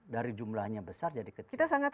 dari jumlahnya besar jadi kita sangat